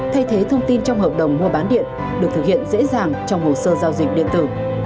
thay thế thông tin trong hợp đồng mua bán điện được thực hiện dễ dàng trong hồ sơ giao dịch điện tử